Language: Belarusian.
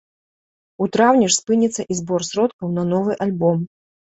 У траўні ж спыніцца і збор сродкаў на новы альбом.